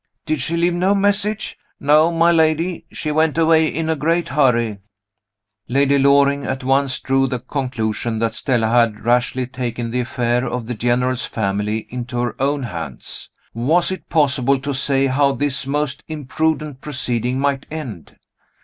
"Did she leave no message?" "No, my lady. She went away in a great hurry." Lady Loring at once drew the conclusion that Stella had rashly taken the affair of the General's family into her own hands. Was it possible to say how this most imprudent proceeding might end?